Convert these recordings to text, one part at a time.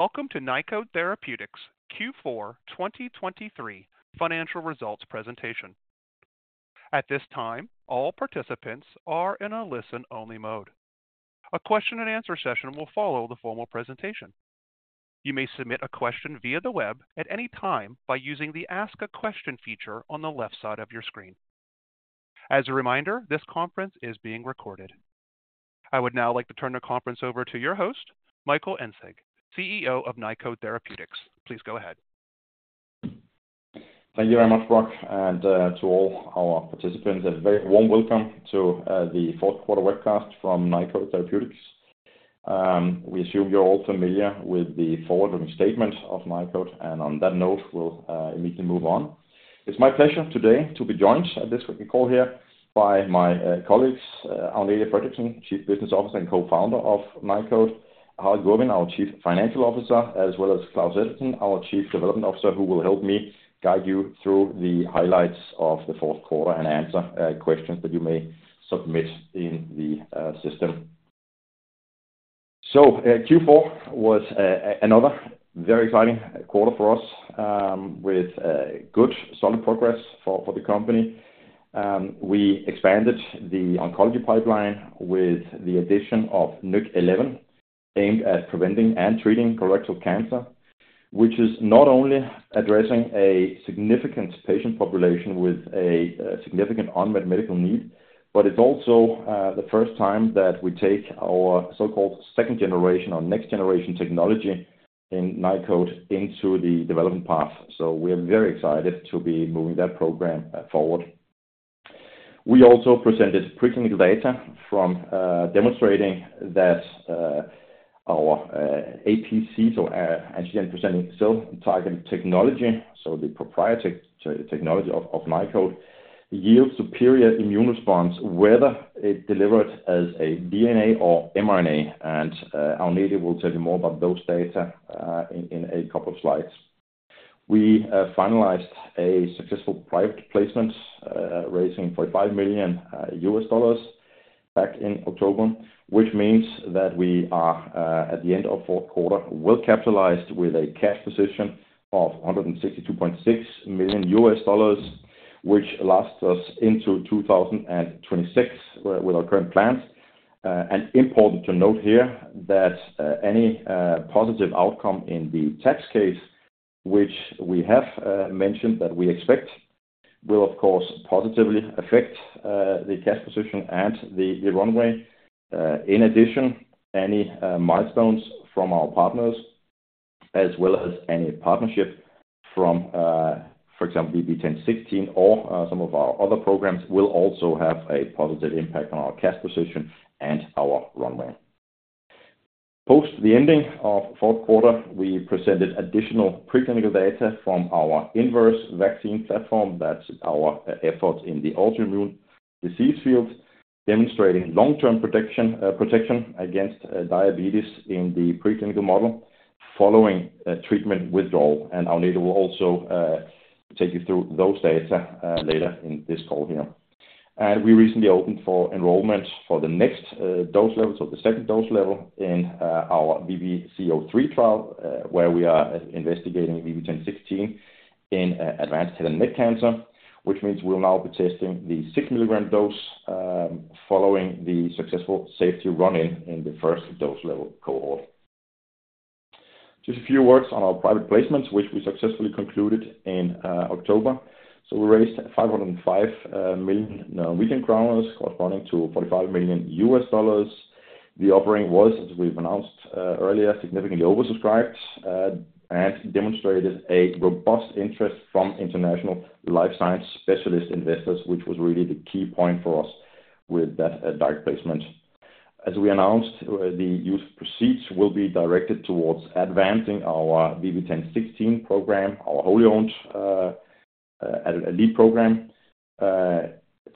Welcome to Nykode Therapeutics Q4 2023 financial results presentation. At this time, all participants are in a listen-only mode. A question-and-answer session will follow the formal presentation. You may submit a question via the web at any time by using the Ask a Question feature on the left side of your screen. As a reminder, this conference is being recorded. I would now like to turn the conference over to your host, Michael Engsig, CEO of Nykode Therapeutics. Please go ahead. Thank you very much, Brock, and to all our participants. A very warm welcome to the fourth quarter webcast from Nykode Therapeutics. We assume you're all familiar with the forward-looking statement of Nykode, and on that note, we'll immediately move on. It's my pleasure today to be joined at this quick call here by my colleagues, Agnete Fredriksen, Chief Business Officer and Co-Founder of Nykode; Harald Gurvin, our Chief Financial Officer; as well as Klaus Edvardsen, our Chief Development Officer, who will help me guide you through the highlights of the fourth quarter and answer questions that you may submit in the system. So Q4 was another very exciting quarter for us, with good, solid progress for the company. We expanded the oncology pipeline with the addition of NYK 011, aimed at preventing and treating colorectal cancer, which is not only addressing a significant patient population with a significant unmet medical need, but it's also the first time that we take our so-called second generation or next generation technology in Nykode into the development path. So we are very excited to be moving that program forward. We also presented preclinical data demonstrating that our APCs, or as you've been presenting, cell-targeted technology, so the proprietary technology of Nykode, yields superior immune response, whether it delivered as a DNA or mRNA. And Agnete will tell you more about those data in a couple of slides. We finalized a successful private placement raising $45 million back in October, which means that we are, at the end of fourth quarter, well capitalized with a cash position of $162.6 million, which lasts us into 2026 with our current plans. Important to note here that any positive outcome in the tax case, which we have mentioned that we expect, will, of course, positively affect the cash position and the runway. In addition, any milestones from our partners, as well as any partnership from, for example, VB10.16 or some of our other programs, will also have a positive impact on our cash position and our runway. Post the ending of fourth quarter, we presented additional preclinical data from our inverse vaccine platform. That's our efforts in the autoimmune disease field, demonstrating long-term protection against diabetes in the preclinical model following treatment withdrawal. Agnete will also take you through those data later in this call here. We recently opened for enrollment for the next dose level, so the second dose level, in our VB-C-03 trial, where we are investigating VB10.16 in advanced head and neck cancer, which means we'll now be testing the 6mg dose following the successful safety run-in in the first dose level cohort. Just a few words on our private placements, which we successfully concluded in October. We raised 505 million Norwegian crowns, corresponding to $45 million. The offering was, as we've announced earlier, significantly oversubscribed and demonstrated a robust interest from international life science specialist investors, which was really the key point for us with that direct placement. As we announced, the use of proceeds will be directed towards advancing our VB10.16 program, our wholly-owned elite program,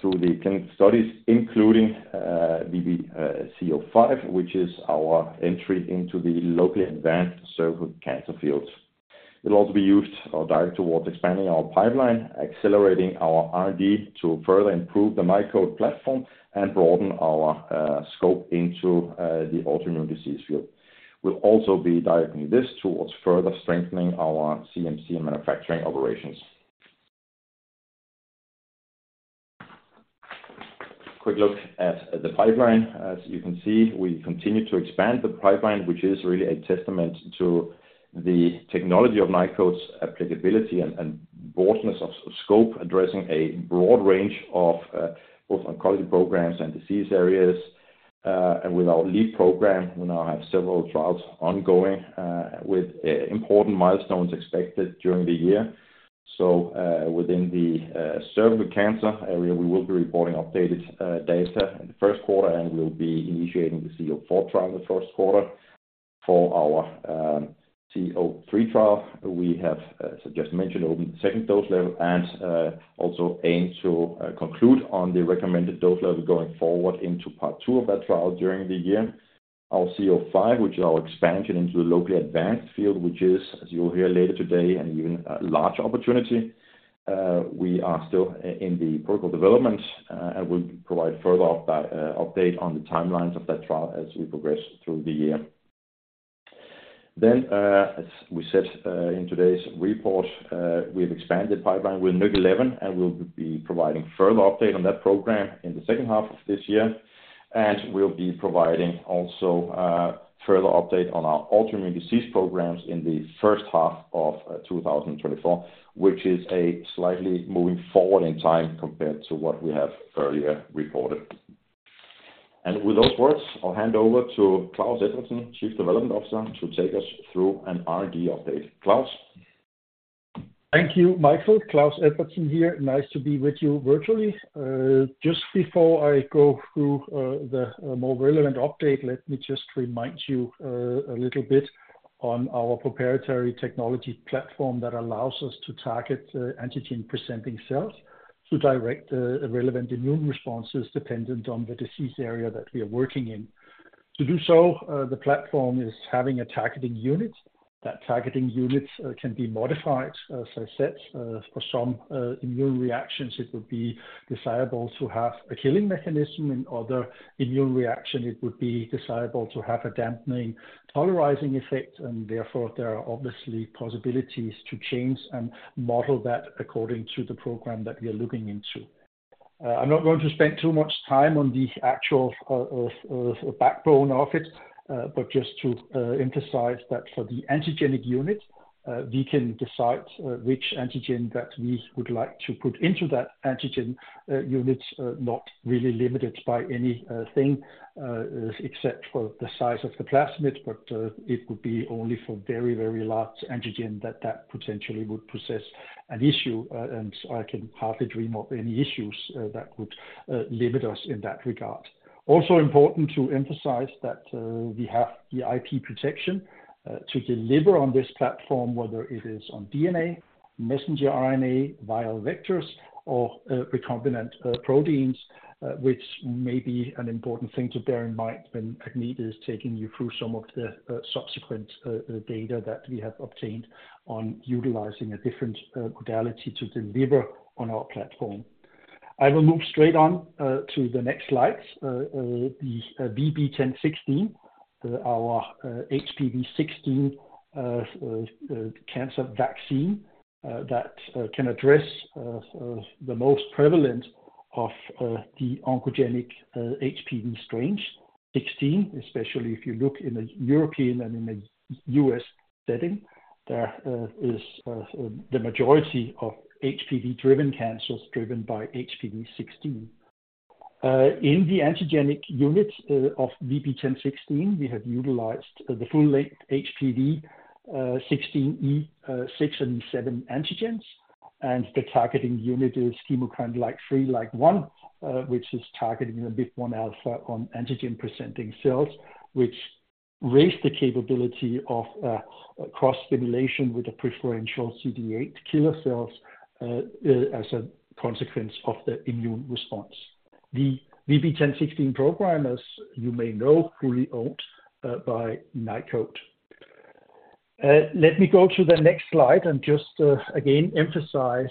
through the clinical studies, including VB-C-05, which is our entry into the locally advanced cervical cancer field. It'll also be used directly towards expanding our pipeline, accelerating our R&D to further improve the Nykode platform and broaden our scope into the autoimmune disease field. We'll also be directing this towards further strengthening our CMC and manufacturing operations. Quick look at the pipeline. As you can see, we continue to expand the pipeline, which is really a testament to the technology of Nykode's applicability and broadness of scope, addressing a broad range of both oncology programs and disease areas. With our lead program, we now have several trials ongoing with important milestones expected during the year. So within the cervical cancer area, we will be reporting updated data in the first quarter, and we'll be initiating the CO4 trial in the first quarter. For our CO3 trial, we have, as I just mentioned, opened the second dose level and also aim to conclude on the recommended dose level going forward into part two of that trial during the year. Our CO5, which is our expansion into the locally advanced field, which is, as you'll hear later today, an even larger opportunity. We are still in the protocol development and will provide further update on the timelines of that trial as we progress through the year. Then, as we said in today's report, we have expanded the pipeline with NYK 011, and we'll be providing further update on that program in the second half of this year. We'll be providing also further update on our autoimmune disease programs in the first half of 2024, which is slightly moving forward in time compared to what we have earlier reported. With those words, I'll hand over to Klaus Edvardsen, Chief Development Officer, to take us through an R&D update. Klaus? Thank you, Michael. Klaus Edvardsen, here. Nice to be with you virtually. Just before I go through the more relevant update, let me just remind you a little bit on our proprietary technology platform that allows us to target antigen-presenting cells to direct relevant immune responses dependent on the disease area that we are working in. To do so, the platform is having a targeting unit. That targeting unit can be modified, as I said. For some immune reactions, it would be desirable to have a killing mechanism. In other immune reactions, it would be desirable to have a dampening, tolerizing effect. And therefore, there are obviously possibilities to change and model that according to the program that we are looking into. I'm not going to spend too much time on the actual backbone of it, but just to emphasize that for the antigenic unit, we can decide which antigen that we would like to put into that antigen unit, not really limited by anything except for the size of the plasmid. But it would be only for very, very large antigen that that potentially would possess an issue. And I can hardly dream of any issues that would limit us in that regard. Also important to emphasize that we have the IP protection to deliver on this platform, whether it is on DNA, messenger RNA, viral vectors, or recombinant proteins, which may be an important thing to bear in mind when Agnete is taking you through some of the subsequent data that we have obtained on utilizing a different modality to deliver on our platform. I will move straight on to the next slides, the VB10.16, our HPV16 cancer vaccine that can address the most prevalent of the oncogenic HPV strains. HPV16, especially if you look in a European and in a US setting, there is the majority of HPV-driven cancers driven by HPV16. In the antigenic unit of VB10.16, we have utilized the full-length HPV16 E6 and E7 antigens. And the targeting unit is chemokine ligand 3, ligand 1, which is targeting the MIP-1 alpha on antigen-presenting cells, which raised the capability of cross-stimulation with the preferential CD8 killer cells as a consequence of the immune response. The VB10.16 program, as you may know, is fully owned by Nykode. Let me go to the next slide and just again emphasize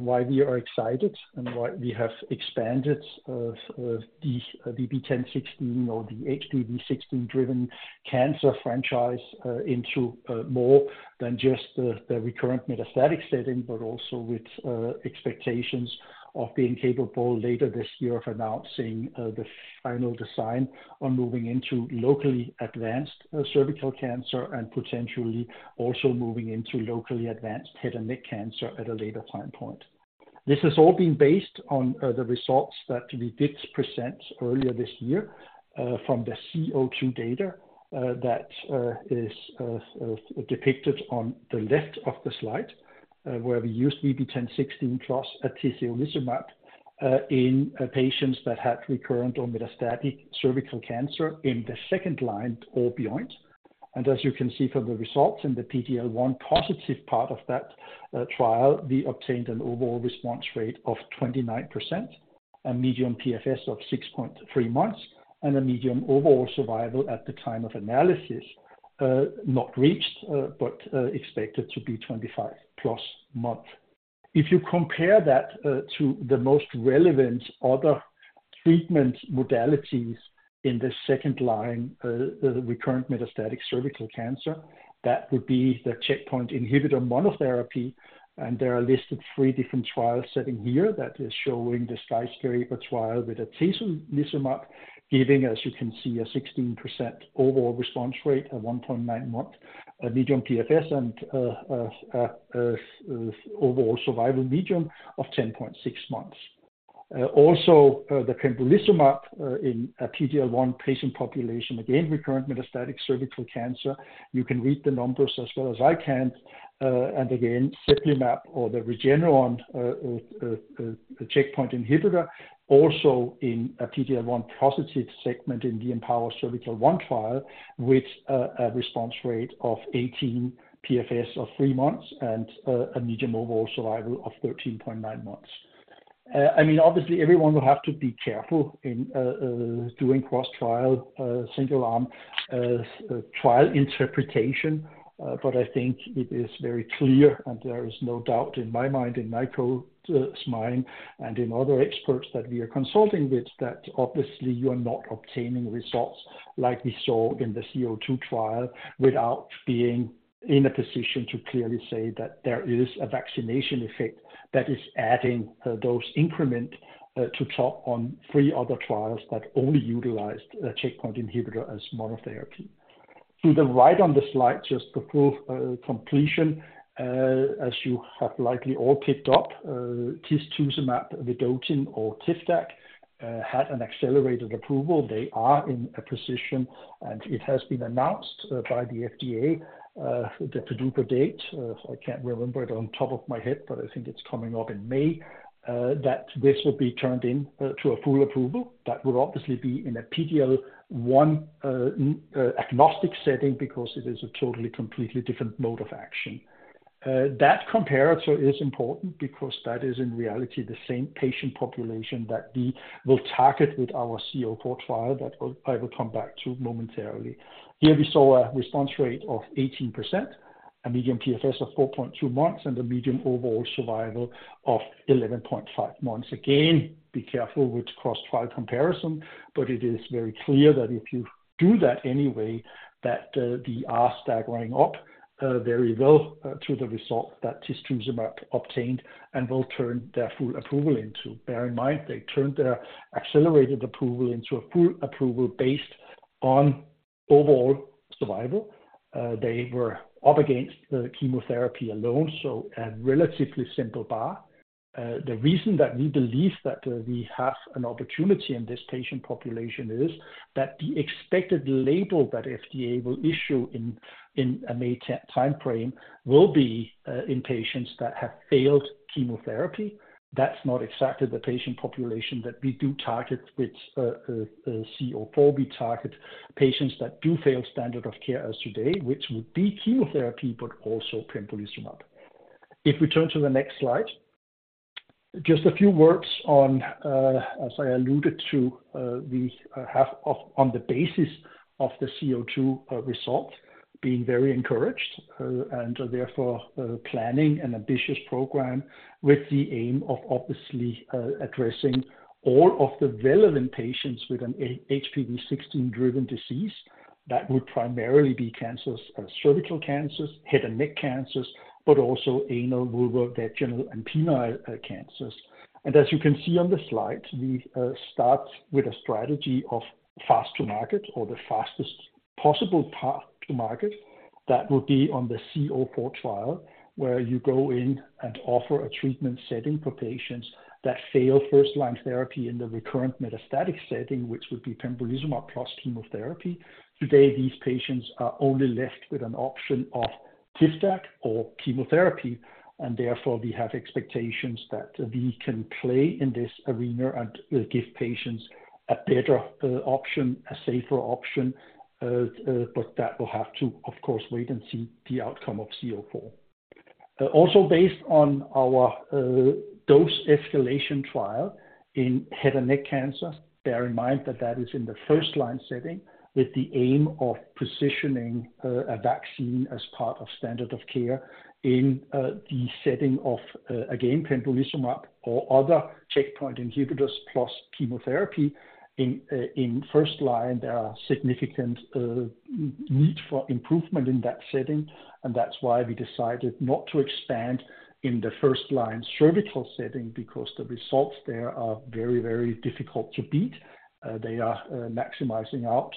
why we are excited and why we have expanded the VB10.16 or the HPV16-driven cancer franchise into more than just the recurrent metastatic setting, but also with expectations of being capable later this year of announcing the final design on moving into locally advanced cervical cancer and potentially also moving into locally advanced head and neck cancer at a later time point. This has all been based on the results that we did present earlier this year from the VB-C-02 data that is depicted on the left of the slide, where we used VB10.16 plus atezolizumab in patients that had recurrent or metastatic cervical cancer in the second line or beyond. As you can see from the results in the PD-L1 positive part of that trial, we obtained an overall response rate of 29%, a median PFS of 6.3 months, and a median overall survival at the time of analysis not reached, but expected to be 25+ months. If you compare that to the most relevant other treatment modalities in the second line recurrent metastatic cervical cancer, that would be the checkpoint inhibitor monotherapy. There are listed three different trials sitting here that are showing the SKYSCRAPER trial with atezolizumab, giving, as you can see, a 16% overall response rate at 1.9 months, a median PFS, and a median overall survival of 10.6 months. Also, the pembrolizumab in a PD-L1 patient population, again, recurrent metastatic cervical cancer. You can read the numbers as well as I can. And again, cemiplimab or the Regeneron checkpoint inhibitor, also in a PD-L1 positive segment in the EMPOWER Cervical 1 trial, with a response rate of 18% PFS of 3 months and a median overall survival of 13.9 months. I mean, obviously, everyone will have to be careful in doing cross-trial, single-arm trial interpretation. But I think it is very clear, and there is no doubt in my mind, in Nykode's mind and in other experts that we are consulting with, that obviously you are not obtaining results like we saw in the VB-C-02 trial without being in a position to clearly say that there is a vaccination effect that is adding those increments to top on three other trials that only utilized a checkpoint inhibitor as monotherapy. To the right on the slide, just before completion, as you have likely all picked up, tisotumab vedotin, or Tivdak had an accelerated approval. They are in a position, and it has been announced by the FDA, the PDUFA date. I can't remember it on top of my head, but I think it's coming up in May, that this will be turned into a full approval. That will obviously be in a PD-L1 agnostic setting because it is a totally, completely different mode of action. That comparison is important because that is, in reality, the same patient population that we will target with our CO4 trial that I will come back to momentarily. Here, we saw a response rate of 18%, a median PFS of 4.2 months, and a median overall survival of 11.5 months. Again, be careful with cross-trial comparison, but it is very clear that if you do that anyway, that we are staggering up very well through the results that tisotumab obtained and will turn their full approval into. Bear in mind, they turned their accelerated approval into a full approval based on overall survival. They were up against the chemotherapy alone, so a relatively simple bar. The reason that we believe that we have an opportunity in this patient population is that the expected label that FDA will issue in a May time frame will be in patients that have failed chemotherapy. That's not exactly the patient population that we do target with CO4. We target patients that do fail standard of care as today, which would be chemotherapy but also pembrolizumab. If we turn to the next slide, just a few words on, as I alluded to, we have on the basis of the VB-C-02 results being very encouraged and therefore planning an ambitious program with the aim of obviously addressing all of the relevant patients with an HPV16-driven disease that would primarily be cancers, cervical cancers, head and neck cancers, but also anal, vulvar, vaginal, and penile cancers. And as you can see on the slide, we start with a strategy of fast-to-market or the fastest possible path to market. That would be on the VB-C-04 trial, where you go in and offer a treatment setting for patients that fail first-line therapy in the recurrent metastatic setting, which would be pembrolizumab plus chemotherapy. Today, these patients are only left with an option of Tivdak or chemotherapy. Therefore, we have expectations that we can play in this arena and give patients a better option, a safer option. But that will have to, of course, wait and see the outcome of CO4. Also, based on our dose escalation trial in head and neck cancer, bear in mind that that is in the first-line setting with the aim of positioning a vaccine as part of standard of care in the setting of, again, pembrolizumab or other checkpoint inhibitors plus chemotherapy. In first line, there are significant needs for improvement in that setting. That's why we decided not to expand in the first-line cervical setting because the results there are very, very difficult to beat. They are maximizing out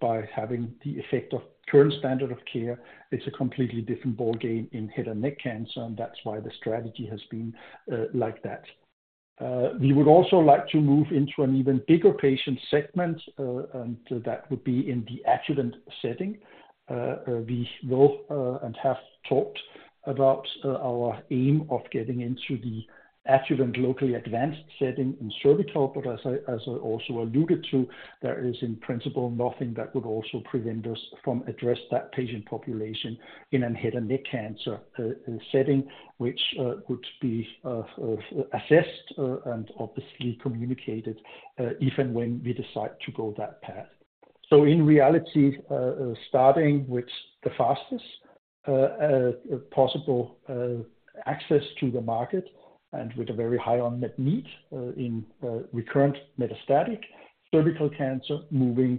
by having the effect of current standard of care. It's a completely different ballgame in head and neck cancer. That's why the strategy has been like that. We would also like to move into an even bigger patient segment, and that would be in the adjuvant setting. We will and have talked about our aim of getting into the adjuvant locally advanced setting in cervical. But as I also alluded to, there is, in principle, nothing that would also prevent us from addressing that patient population in a head and neck cancer setting, which would be assessed and obviously communicated even when we decide to go that path. So in reality, starting with the fastest possible access to the market and with a very high unmet need in recurrent metastatic cervical cancer, moving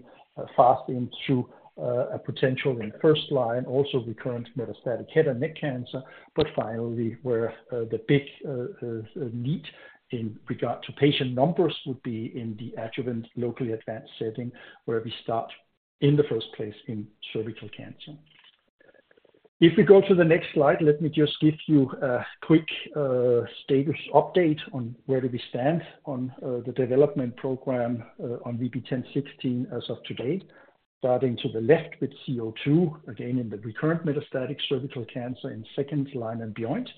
fast into a potential in first line, also recurrent metastatic head and neck cancer, but finally where the big need in regard to patient numbers would be in the adjuvant locally advanced setting, where we start in the first place in cervical cancer. If we go to the next slide, let me just give you a quick status update on where do we stand on the development program on VB10.16 as of today, starting to the left with VB-C-02, again, in the recurrent metastatic cervical cancer in second line and beyond.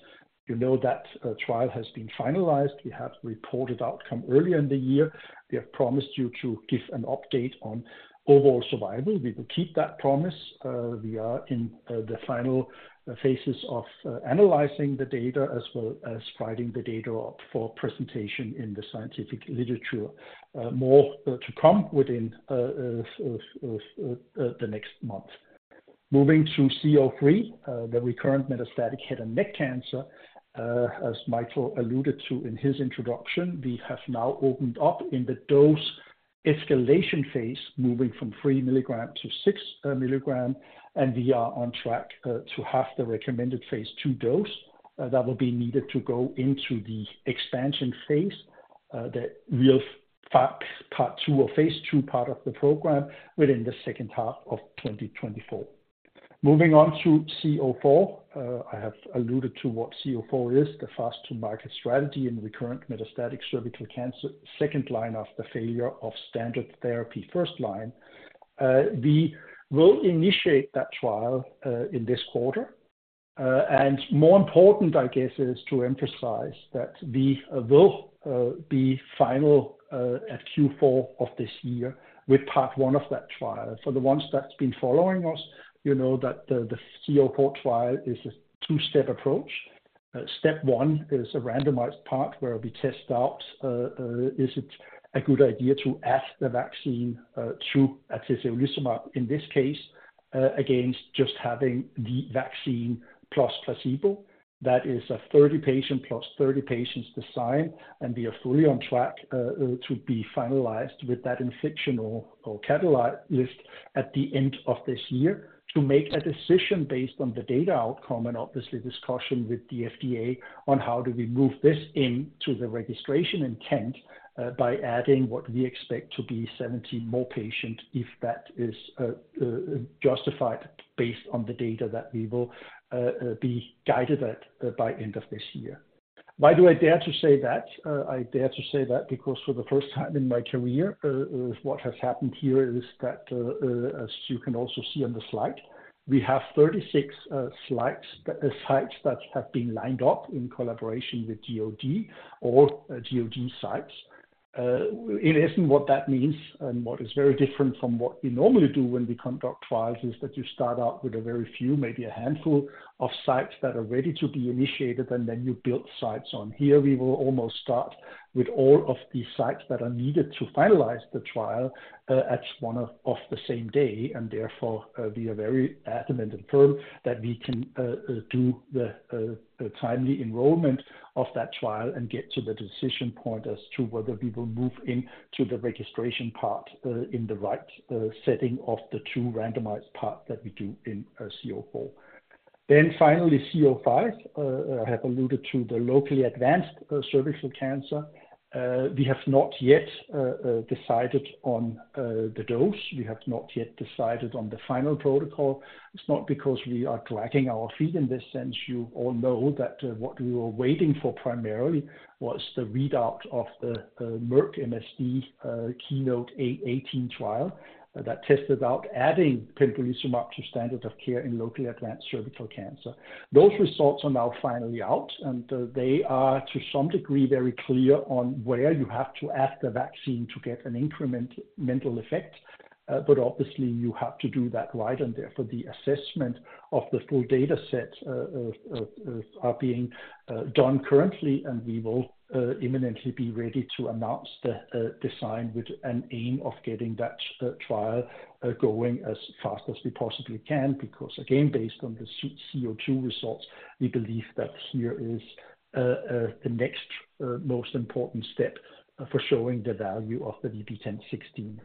You know that trial has been finalized. We have reported outcome earlier in the year. We have promised you to give an update on overall survival. We will keep that promise. We are in the final phases of analyzing the data as well as writing the data up for presentation in the scientific literature, more to come within the next month. Moving to VB-C-03, the recurrent metastatic head and neck cancer, as Michael alluded to in his introduction, we have now opened up in the dose escalation phase, moving from 3 mg to 6 mg. We are on track to have the recommended Phase 2 dose that will be needed to go into the expansion phase, the real part 2 or Phase 2 part of the program within the second half of 2024. Moving on to CO4, I have alluded to what CO4 is, the fast-to-market strategy in recurrent metastatic cervical cancer, second line after failure of standard therapy, first line. We will initiate that trial in this quarter. And more important, I guess, is to emphasize that we will be final at Q4 of this year with part 1 of that trial. For the ones that's been following us, you know that the CO4 trial is a two-step approach. Step 1 is a randomized part where we test out, is it a good idea to add the vaccine to tisotumab, in this case, against just having the vaccine plus placebo? That is a 30-patient + 30-patients design. We are fully on track to be finalized with that interim or catalyst list at the end of this year to make a decision based on the data outcome and obviously discussion with the FDA on how do we move this into the registration intent by adding what we expect to be 70 more patients, if that is justified based on the data that we will be guided by by the end of this year. Why do I dare to say that? I dare to say that because for the first time in my career, what has happened here is that, as you can also see on the slide, we have 36 sites that have been lined up in collaboration with GOG or GOG sites. In essence, what that means and what is very different from what we normally do when we conduct trials is that you start out with a very few, maybe a handful of sites that are ready to be initiated, and then you build sites on. Here, we will almost start with all of the sites that are needed to finalize the trial at one and the same day. Therefore, we are very adamant and firm that we can do the timely enrollment of that trial and get to the decision point as to whether we will move into the registration part in the right setting of the two randomized parts that we do in CO4. Then finally, CO5, I have alluded to the locally advanced cervical cancer. We have not yet decided on the dose. We have not yet decided on the final protocol. It's not because we are dragging our feet in this sense. You all know that what we were waiting for primarily was the readout of the MSD/Merck KEYNOTE-A18 trial that tested out adding pembrolizumab to standard of care in locally advanced cervical cancer. Those results are now finally out. They are, to some degree, very clear on where you have to add the vaccine to get an incremental effect. But obviously, you have to do that right. Therefore, the assessment of the full data set is being done currently. We will imminently be ready to announce the design with an aim of getting that trial going as fast as we possibly can because, again, based on the VB-C-02 results, we believe that here is the next most important step for showing the value of the VB10.16.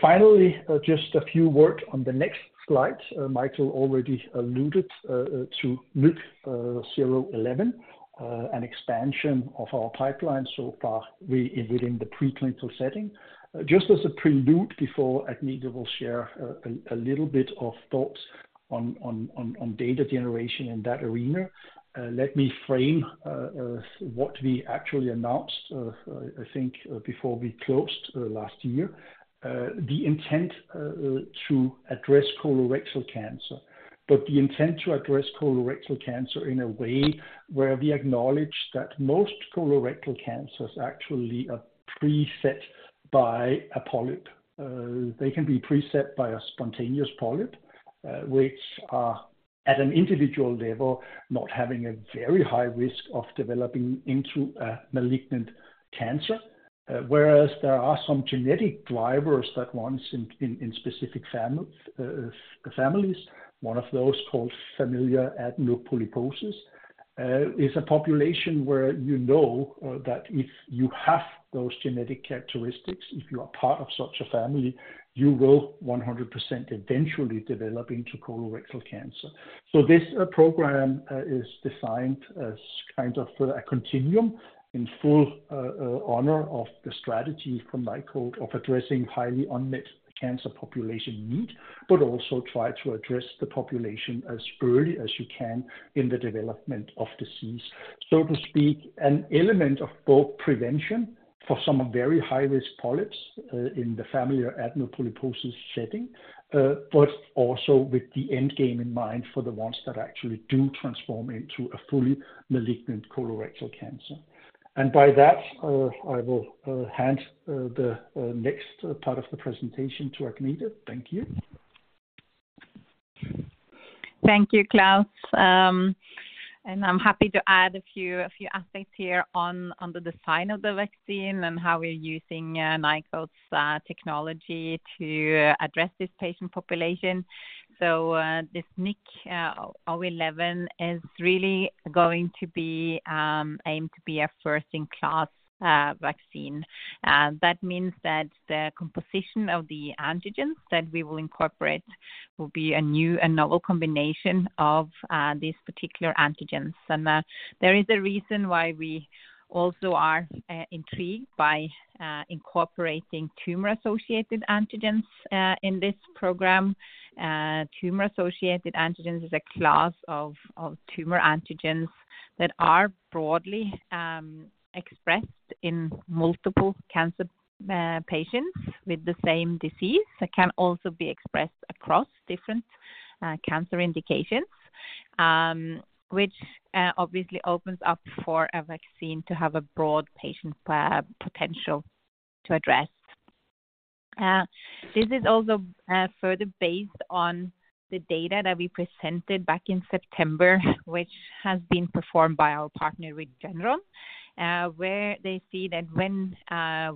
Finally, just a few words on the next slide. Michael already alluded to NYK 011, an expansion of our pipeline so far within the preclinical setting. Just as a prelude before, Agnete will share a little bit of thoughts on data generation in that arena. Let me frame what we actually announced, I think, before we closed last year, the intent to address colorectal cancer, but the intent to address colorectal cancer in a way where we acknowledge that most colorectal cancers actually are preset by a polyp. They can be preceded by a spontaneous polyp, which are at an individual level not having a very high risk of developing into a malignant cancer, whereas there are some genetic drivers that occur in specific families, one of those called familial adenomatous polyposis, is a population where you know that if you have those genetic characteristics, if you are part of such a family, you will 100% eventually develop into colorectal cancer. So this program is designed as kind of a continuum in full honor of the strategy from Nykode of addressing highly unmet cancer population needs, but also try to address the population as early as you can in the development of disease, so to speak, an element of both prevention for some very high-risk polyps in the familial adenomatous polyposis setting, but also with the end game in mind for the ones that actually do transform into a fully malignant colorectal cancer. And by that, I will hand the next part of the presentation to Agnete. Thank you. Thank you, Klaus. And I'm happy to add a few aspects here on the design of the vaccine and how we're using Nykode's technology to address this patient population. So this NYK 011 is really going to be aimed to be a first-in-class vaccine. That means that the composition of the antigens that we will incorporate will be a new and novel combination of these particular antigens. There is a reason why we also are intrigued by incorporating tumor-associated antigens in this program. Tumor-associated antigens is a class of tumor antigens that are broadly expressed in multiple cancer patients with the same disease. It can also be expressed across different cancer indications, which obviously opens up for a vaccine to have a broad patient potential to address. This is also further based on the data that we presented back in September, which has been performed by our partner Regeneron, where they see that when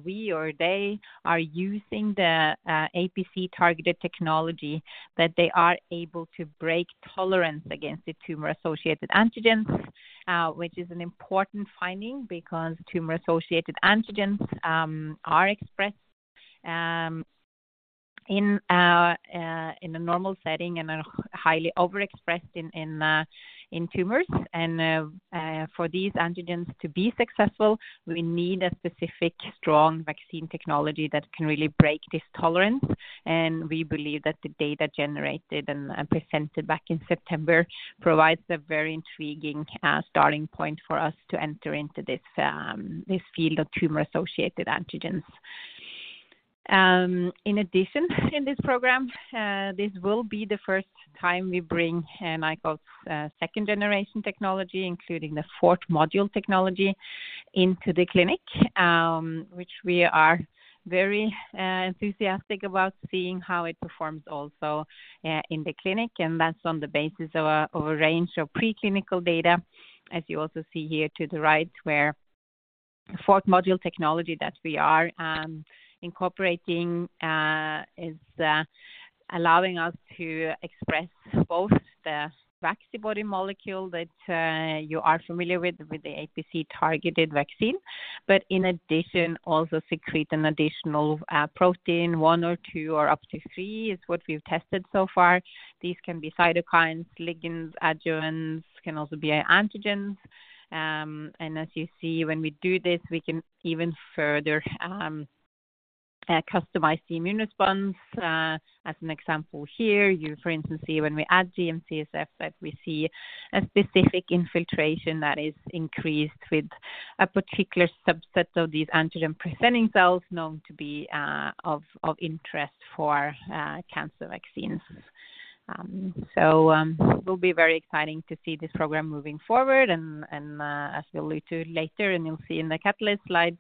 we or they are using the APC-targeted technology, that they are able to break tolerance against the tumor-associated antigens, which is an important finding because tumor-associated antigens are expressed in a normal setting and are highly overexpressed in tumors. For these antigens to be successful, we need a specific strong vaccine technology that can really break this tolerance. We believe that the data generated and presented back in September provides a very intriguing starting point for us to enter into this field of tumor-associated antigens. In addition, in this program, this will be the first time we bring Nykode's second-generation technology, including the fourth-module technology, into the clinic, which we are very enthusiastic about seeing how it performs also in the clinic. That's on the basis of a range of preclinical data, as you also see here to the right, where fourth-module technology that we are incorporating is allowing us to express both the vaccine body molecule that you are familiar with, with the APC-targeted vaccine, but in addition, also secrete an additional protein, one or two, or up to three is what we've tested so far. These can be cytokines, ligands, adjuvants, can also be antigens. And as you see, when we do this, we can even further customize the immune response. As an example here, you, for instance, see when we add GM-CSF that we see a specific infiltration that is increased with a particular subset of these antigen-presenting cells known to be of interest for cancer vaccines. So it will be very exciting to see this program moving forward. As we'll allude to later and you'll see in the catalyst slides,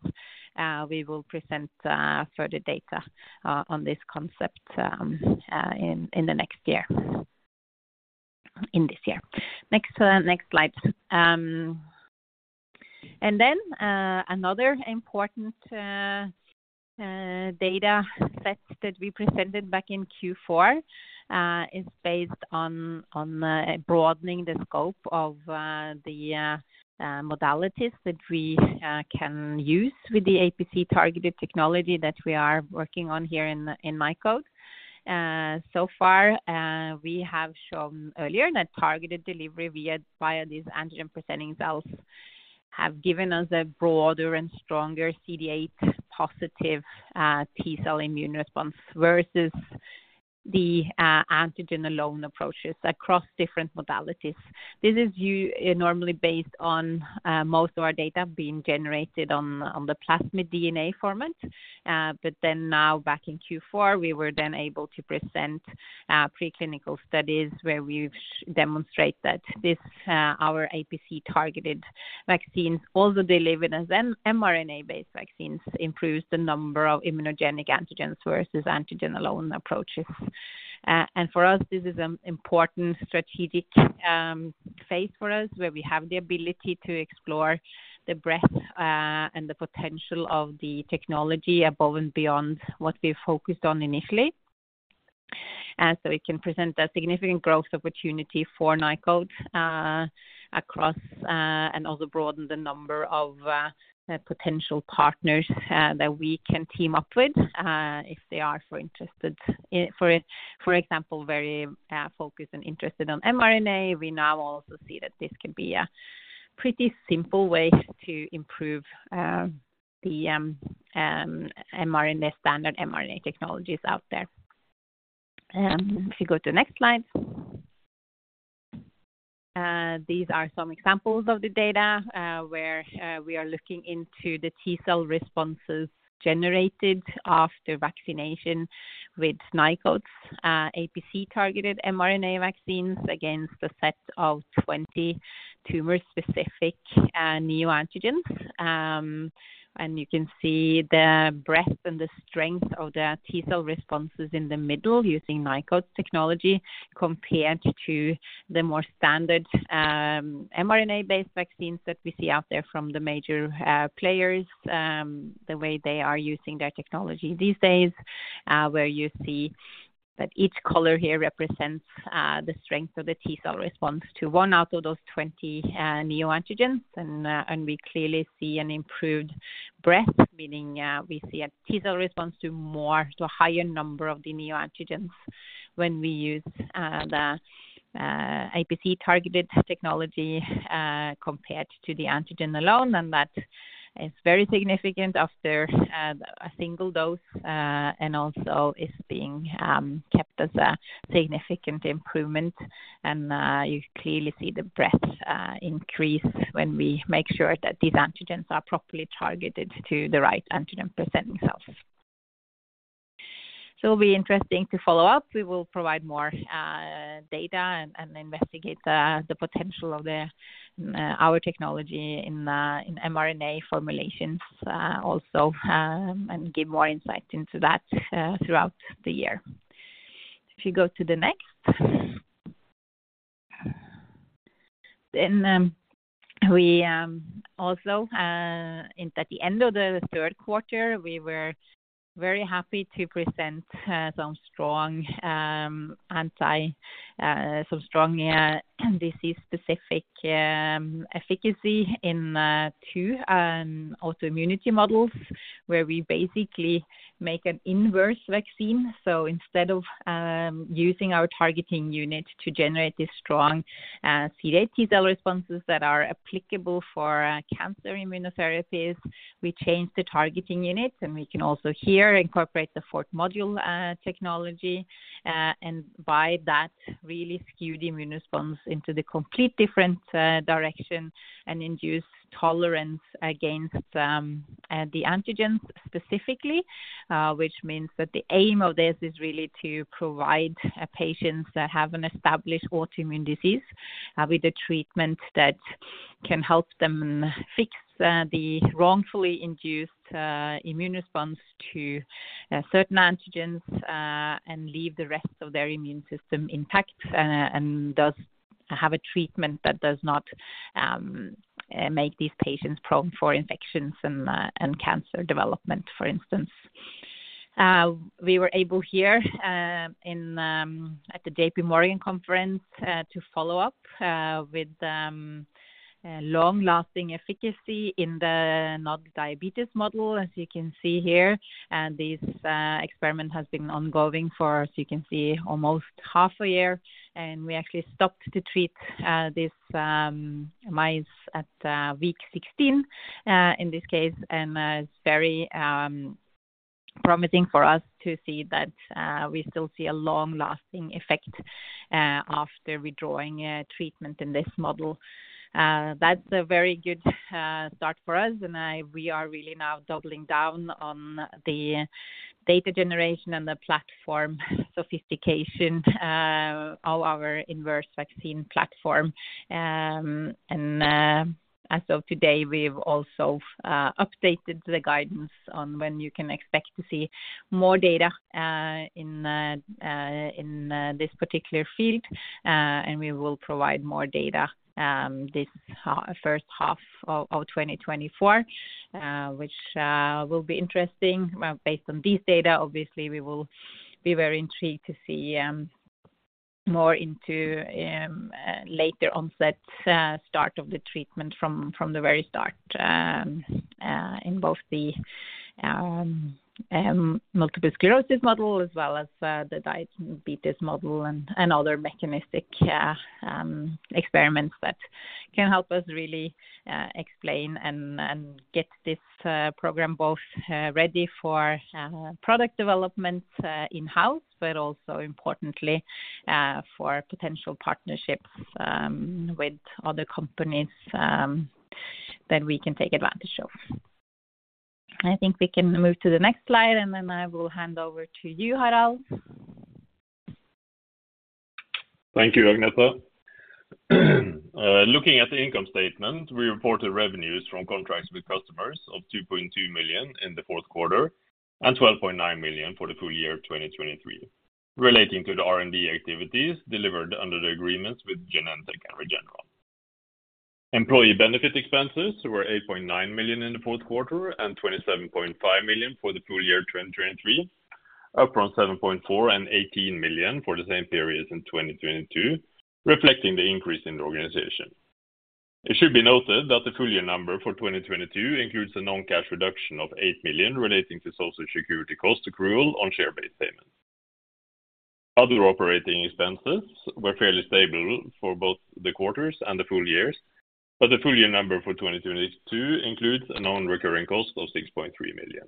we will present further data on this concept in the next year, in this year. Next slide. Then another important data set that we presented back in Q4 is based on broadening the scope of the modalities that we can use with the APC-targeted technology that we are working on here in Nykode. So far, we have shown earlier that targeted delivery via these antigen-presenting cells has given us a broader and stronger CD8-positive T-cell immune response versus the antigen-alone approaches across different modalities. This is normally based on most of our data being generated on the plasmid DNA format. But then now back in Q4, we were then able to present preclinical studies where we've demonstrated that our APC-targeted vaccines, although delivered as mRNA-based vaccines, improve the number of immunogenic antigens versus antigen-alone approaches. For us, this is an important strategic phase for us where we have the ability to explore the breadth and the potential of the technology above and beyond what we've focused on initially. And so it can present a significant growth opportunity for Nykode across and also broaden the number of potential partners that we can team up with if they are, for example, very focused and interested on mRNA. We now also see that this can be a pretty simple way to improve the standard mRNA technologies out there. If you go to the next slide. These are some examples of the data where we are looking into the T-cell responses generated after vaccination with Nykode's APC-targeted mRNA vaccines against a set of 20 tumor-specific neoantigens. You can see the breadth and the strength of the T-cell responses in the middle using Nykode technology compared to the more standard mRNA-based vaccines that we see out there from the major players, the way they are using their technology these days, where you see that each color here represents the strength of the T-cell response to one out of those 20 neoantigens. We clearly see an improved breadth, meaning we see a T-cell response to a higher number of the neoantigens when we use the APC-targeted technology compared to the antigen alone. That is very significant after a single dose and also is being kept as a significant improvement. You clearly see the breadth increase when we make sure that these antigens are properly targeted to the right antigen-presenting cells. So it will be interesting to follow up. We will provide more data and investigate the potential of our technology in mRNA formulations also and give more insight into that throughout the year. If you go to the next. Then we also at the end of the third quarter, we were very happy to present some strong disease-specific efficacy in two autoimmunity models where we basically make an inverse vaccine. So instead of using our targeting unit to generate these strong CD8 T-cell responses that are applicable for cancer immunotherapies, we changed the targeting unit. We can also here incorporate the fourth-module technology and by that really skew the immune response into the complete different direction and induce tolerance against the antigens specifically, which means that the aim of this is really to provide patients that have an established autoimmune disease with a treatment that can help them fix the wrongfully induced immune response to certain antigens and leave the rest of their immune system intact and thus have a treatment that does not make these patients prone for infections and cancer development, for instance. We were able here at the JPMorgan conference to follow up with long-lasting efficacy in the NOD diabetes model, as you can see here. This experiment has been ongoing for, as you can see, almost half a year. We actually stopped to treat these mice at week 16 in this case. It's very promising for us to see that we still see a long-lasting effect after withdrawing treatment in this model. That's a very good start for us. We are really now doubling down on the data generation and the platform sophistication, all our inverse vaccine platform. So today, we've also updated the guidance on when you can expect to see more data in this particular field. We will provide more data this first half of 2024, which will be interesting. Based on these data, obviously, we will be very intrigued to see more into later onset start of the treatment from the very start in both the multiple sclerosis model as well as the diabetes model and other mechanistic experiments that can help us really explain and get this program both ready for product development in-house, but also importantly for potential partnerships with other companies that we can take advantage of. I think we can move to the next slide. Then I will hand over to you, Harald. Thank you, Agnete. Looking at the income statement, we reported revenues from contracts with customers of 2.2 million in the fourth quarter and 12.9 million for the full year 2023 relating to the R&D activities delivered under the agreements with Genentech and Regeneron. Employee benefit expenses were 8.9 million in the fourth quarter and 27.5 million for the full year 2023, up from 7.4 million and 18 million for the same period in 2022, reflecting the increase in the organization. It should be noted that the full year number for 2022 includes a non-cash reduction of 8 million relating to social security cost accrual on share-based payments. Other operating expenses were fairly stable for both the quarters and the full years. But the full year number for 2022 includes a known recurring cost of 6.3 million.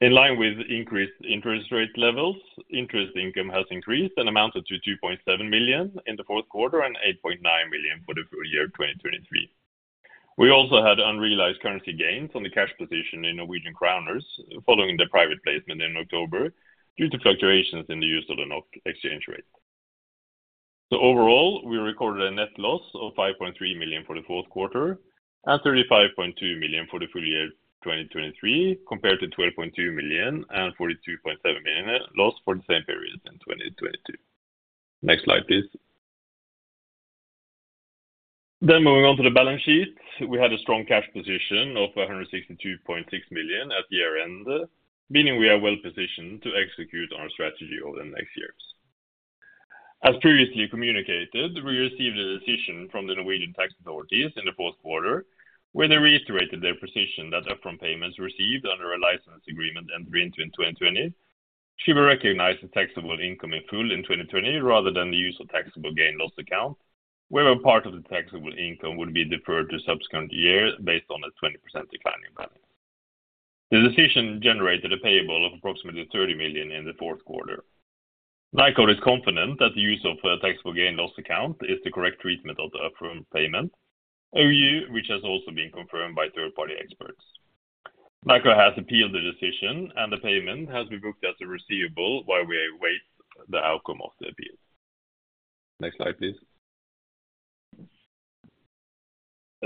In line with increased interest rate levels, interest income has increased and amounted to 2.7 million in the fourth quarter and 8.9 million for the full year 2023. We also had unrealized currency gains on the cash position in Norwegian kroner following the private placement in October due to fluctuations in the use of the exchange rate. So overall, we recorded a net loss of 5.3 million for the fourth quarter and 35.2 million for the full year 2023 compared to 12.2 million and 42.7 million loss for the same period in 2022. Next slide, please. Then moving on to the balance sheet, we had a strong cash position of 162.6 million at year-end, meaning we are well positioned to execute our strategy over the next years. As previously communicated, we received a decision from the Norwegian tax authorities in the fourth quarter where they reiterated their position that upfront payments received under a license agreement entered into in 2020 should be recognized as taxable income in full in 2020 rather than the use of taxable gain-loss account, where part of the taxable income would be deferred to subsequent years based on a 20% declining balance. The decision generated a payable of approximately 30 million in the fourth quarter. Nykode is confident that the use of a taxable gain-loss account is the correct treatment of the upfront payment, which has also been confirmed by third-party experts. Nykode has appealed the decision, and the payment has been booked as a receivable while we await the outcome of the appeal. Next slide, please.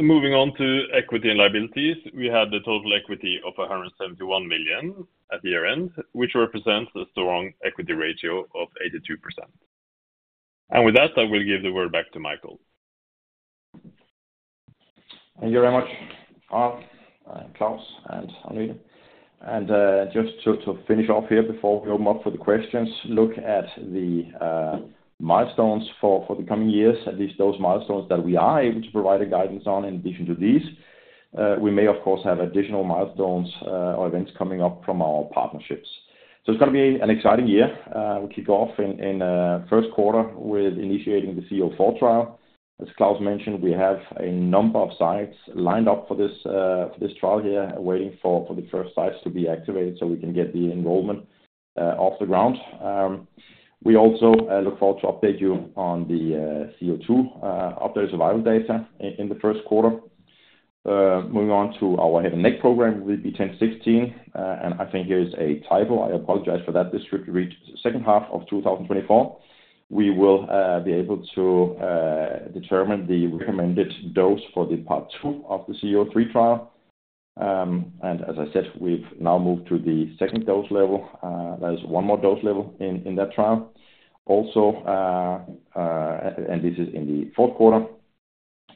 Moving on to equity and liabilities, we had the total equity of 171 million at year-end, which represents a strong equity ratio of 82%. With that, I will give the word back to Michael. Thank you very much, Klaus and Agnete. Just to finish off here before we open up for the questions, look at the milestones for the coming years, at least those milestones that we are able to provide guidance on in addition to these. We may, of course, have additional milestones or events coming up from our partnerships. So it's going to be an exciting year. We kick off in first quarter with initiating the CO4 trial. As Klaus mentioned, we have a number of sites lined up for this trial here waiting for the first sites to be activated so we can get the enrollment off the ground. We also look forward to updating you on the CO2 update survival data in the first quarter. Moving on to our head and neck program, we'll be VB10.16. And I think here is a title. I apologize for that. This should reach the second half of 2024. We will be able to determine the recommended dose for the part two of the CO3 trial. And as I said, we've now moved to the second dose level. There's one more dose level in that trial. Also, this is in the fourth quarter,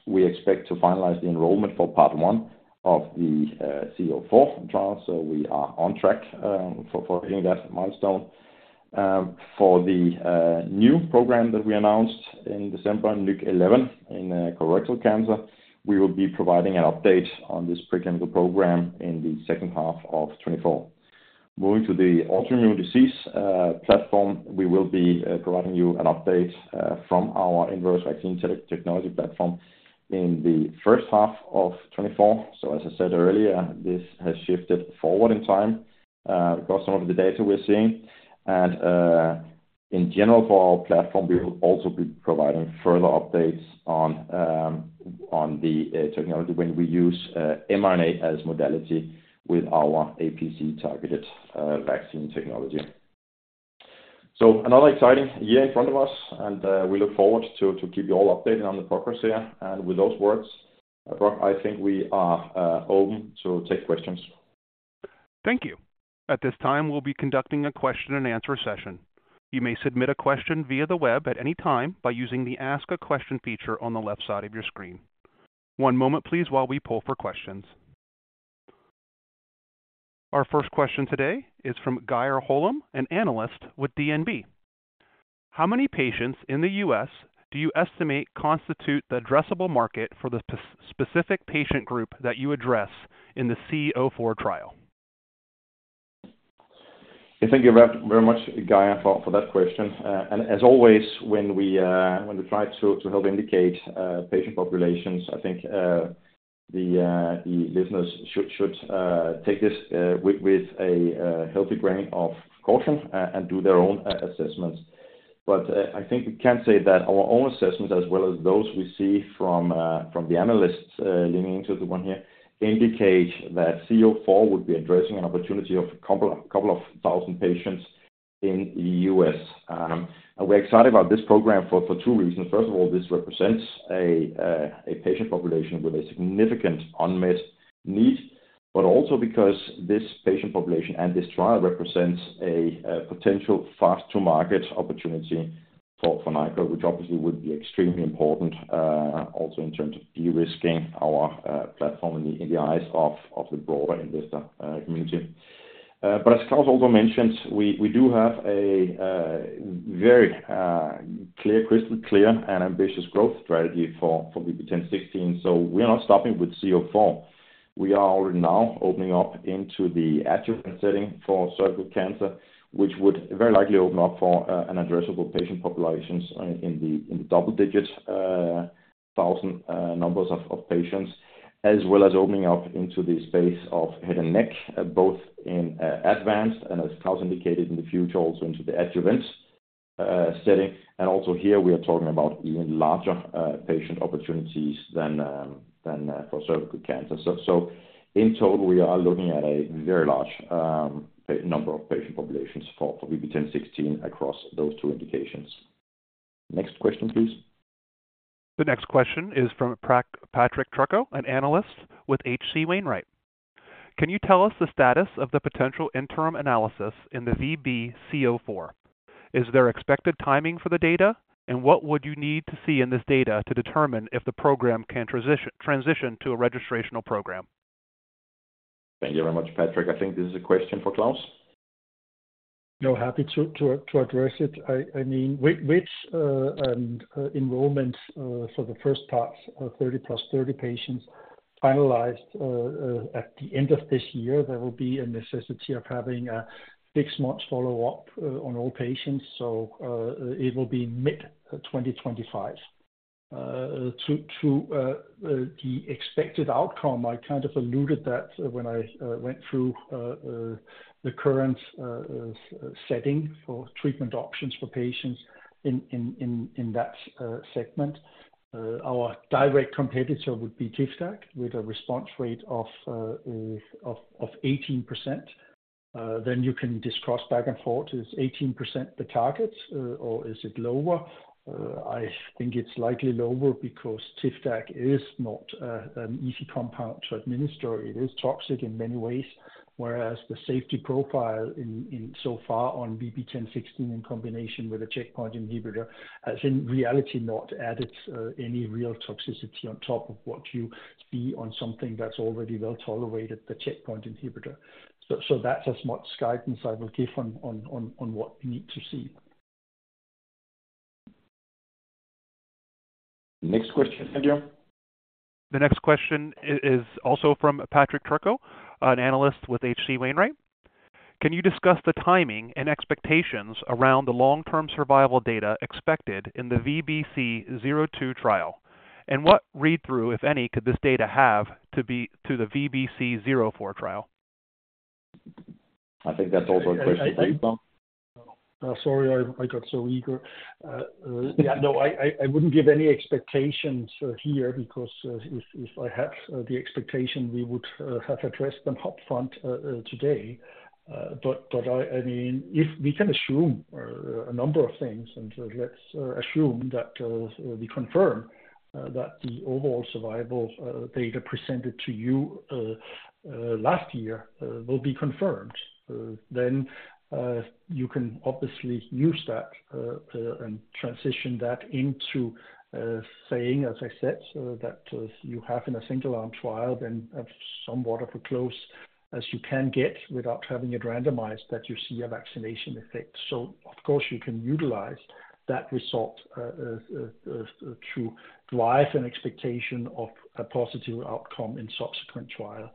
we expect to finalize the enrollment for part one of the VB-C-04 trial. So we are on track for hitting that milestone. For the new program that we announced in December, NYK 011 in colorectal cancer, we will be providing an update on this preclinical program in the second half of 2024. Moving to the autoimmune disease platform, we will be providing you an update from our inverse vaccine technology platform in the first half of 2024. So as I said earlier, this has shifted forward in time because of some of the data we're seeing. And in general, for our platform, we will also be providing further updates on the technology when we use mRNA as modality with our APC-targeted vaccine technology. So another exciting year in front of us. We look forward to keep you all updated on the progress here. With those words, Brock, I think we are open to take questions. Thank you. At this time, we'll be conducting a question-and-answer session. You may submit a question via the web at any time by using the Ask a Question feature on the left side of your screen. One moment, please, while we poll for questions. Our first question today is from Guyer Holum, an analyst with DNB. How many patients in the U.S. do you estimate constitute the addressable market for the specific patient group that you address in the CO4 trial? Thank you very much, Guy, for that question. And as always, when we try to help indicate patient populations, I think the listeners should take this with a healthy grain of salt and do their own assessments. But I think we can say that our own assessments, as well as those we see from the analysts leaning into the one here, indicate that VB-C-04 would be addressing an opportunity of a couple of thousand patients in the U.S. And we're excited about this program for two reasons. First of all, this represents a patient population with a significant unmet need, but also because this patient population and this trial represents a potential fast-to-market opportunity for Nykode, which obviously would be extremely important also in terms of de-risking our platform in the eyes of the broader investor community. But as Klaus also mentioned, we do have a very crystal clear and ambitious growth strategy for VB10.16. So we are not stopping with VB-C-04. We are already now opening up into the adjuvant setting for cervical cancer, which would very likely open up for an addressable patient population in the double-digit thousand numbers of patients, as well as opening up into the space of head and neck, both in advanced and, as Klaus indicated, in the future also into the adjuvant setting. And also here, we are talking about even larger patient opportunities than for cervical cancer. So in total, we are looking at a very large number of patient populations for VB10.16 across those two indications. Next question, please. The next question is from Patrick Trucchio, an analyst with HC Wainwright. Can you tell us the status of the potential interim analysis in the VB-C-04? Is there expected timing for the data, and what would you need to see in this data to determine if the program can transition to a registrational program? Thank you very much, Patrick. I think this is a question for Klaus. Yeah, happy to address it. I mean, with enrollment for the first part, 30 + 30 patients finalized at the end of this year, there will be a necessity of having a six-month follow-up on all patients. So it will be mid-2025. To the expected outcome, I kind of alluded that when I went through the current setting for treatment options for patients in that segment. Our direct competitor would be TIVDAK with a response rate of 18%. Then you can discuss back and forth. Is 18% the target, or is it lower? I think it's likely lower because TIVDAK is not an easy compound to administer. It is toxic in many ways, whereas the safety profile so far on VB10.16 in combination with a checkpoint inhibitor has in reality not added any real toxicity on top of what you see on something that's already well-tolerated, the checkpoint inhibitor. So that's as much guidance I will give on what we need to see. Next question, thank you. The next question is also from Patrick Trucco, an analyst with HC Wainwright. Can you discuss the timing and expectations around the long-term survival data expected in the VB-C-02 trial? And what read-through, if any, could this data have to the VB-C-04 trial? I think that's also a question for you, Klaus. Sorry, I got so eager. Yeah, no, I wouldn't give any expectations here because if I had the expectation, we would have addressed them upfront today. But I mean, if we can assume a number of things, and let's assume that we confirm that the overall survival data presented to you last year will be confirmed, then you can obviously use that and transition that into saying, as I said, that you have in a single-arm trial, then somewhat of a close as you can get without having it randomized that you see a vaccination effect. So of course, you can utilize that result to drive an expectation of a positive outcome in subsequent trial.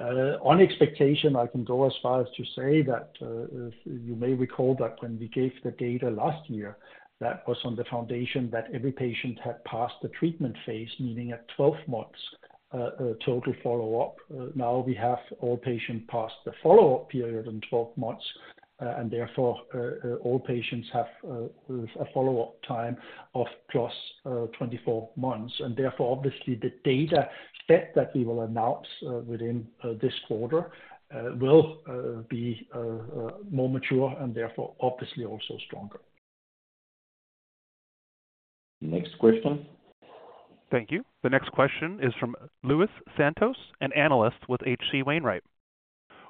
On expectation, I can go as far as to say that you may recall that when we gave the data last year, that was on the foundation that every patient had passed the treatment phase, meaning at 12 months total follow-up. Now we have all patients passed the follow-up period in 12 months, and therefore, all patients have a follow-up time of plus 24 months. And therefore, obviously, the data set that we will announce within this quarter will be more mature and therefore obviously also stronger. Next question. Thank you. The next question is from Luis Santos, an analyst with HC Wainwright.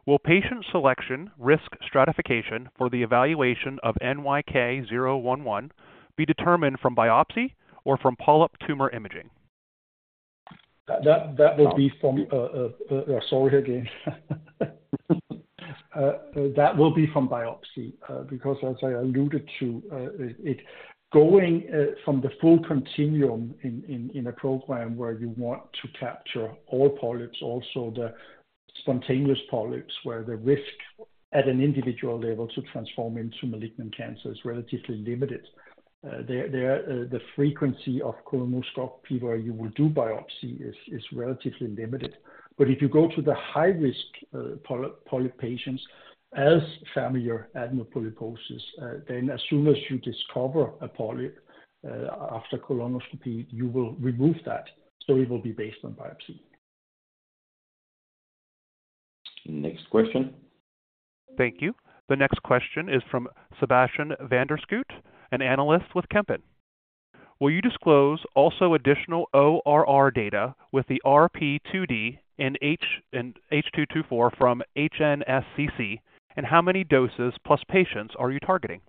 Will patient selection risk stratification for the evaluation of NYK 011 be determined from biopsy or from polyp tumor imaging? That will be from sorry again. That will be from biopsy because, as I alluded to, going from the full continuum in a program where you want to capture all polyps, also the spontaneous polyps, where the risk at an individual level to transform into malignant cancer is relatively limited. The frequency of colonoscopy where you will do biopsy is relatively limited. If you go to the high-risk polyp patients, as in familial adenomatous polyposis, then as soon as you discover a polyp after colonoscopy, you will remove that. So it will be based on biopsy. Next question. Thank you. The next question is from Sebastian Van der Schoot, an analyst with Kempen. Will you disclose also additional ORR data with the RP2D and H224 from HNSCC, and how many doses plus patients are you targeting?